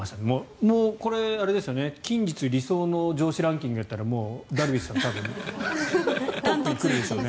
これ、近日理想の上司ランキングやったらもうダルビッシュさんは多分トップに来るでしょうね。